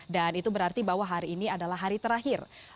dan itu berarti bahwa hari ini adalah hari terakhir